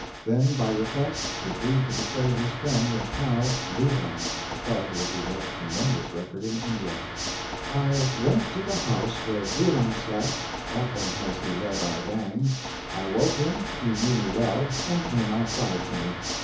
Then by request he agreed to betray his friend and pal, Buhram, a Thug with the most tremendous record in India. "I went to the house where Buhram slept (often has he led our gangs!) I woke him, he knew me well, and came outside to me.